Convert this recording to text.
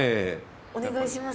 お願いします。